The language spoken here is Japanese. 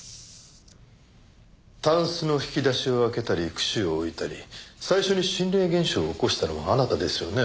たんすの引き出しを開けたりくしを置いたり最初に心霊現象を起こしたのはあなたですよね。